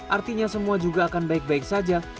artinya semua juga akan baik baik saja